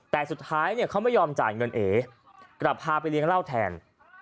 แต่สุดท้ายเนี่ยเขาไม่ยอมจ่ายเงินเอกลับพาไปเลี้ยงเหล้าแทน